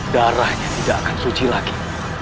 darahnya tidak akan suci lagi